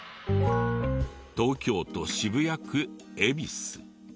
東京都渋谷区恵比寿。